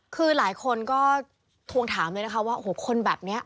คือหลายคนก็ทวงถามเลยนะคะว่าโอ้โหคนแบบนี้